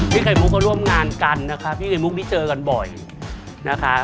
ไข่มุกก็ร่วมงานกันนะคะพี่ไข่มุกนี่เจอกันบ่อยนะคะ